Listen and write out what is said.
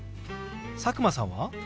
佐久間さんは？